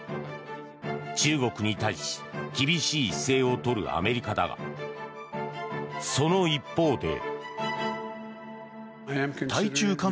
中国に対し厳しい姿勢を取るアメリカだがその一方で。